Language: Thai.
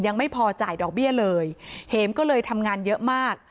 ยังไม่พอจ่ายดอกเบี้ยเลยเห็มก็เลยทำงานเยอะมาก